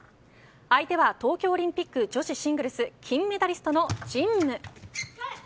相手は東京オリンピック女子シングルス金メダリストの陳夢。